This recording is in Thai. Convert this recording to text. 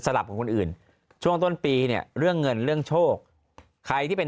ลับของคนอื่นช่วงต้นปีเนี่ยเรื่องเงินเรื่องโชคใครที่เป็น